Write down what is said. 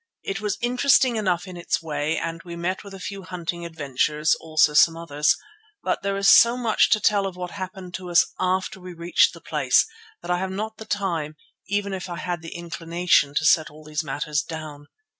It was interesting enough in its way and we met with a few hunting adventures, also some others. But there is so much to tell of what happened to us after we reached the place that I have not the time, even if I had the inclination to set all these matters down.